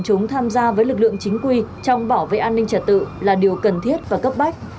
các lực lượng tham gia với lực lượng chính quy trong bảo vệ an ninh chất tử là điều cần thiết và cấp bách